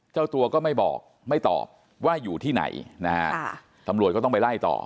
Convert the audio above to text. เจ้าตัวก็ไม่บอกไม่ตอบว่าอยู่ที่ไหนนะฮะตำรวจก็ต้องไปไล่ต่อ